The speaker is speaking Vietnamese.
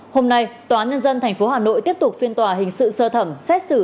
hôm nay tòa án nhân dân tp hà nội tiếp tục phiên tòa hình sự sơ thẩm xét xử